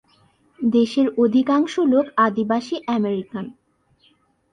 দেশের অধিকাংশ লোক আদিবাসী আমেরিকান।